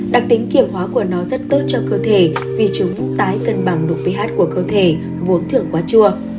đặc tính kiểm hóa của nó rất tốt cho cơ thể vì chúng tái cân bằng đục ph của cơ thể vốn thường quá chua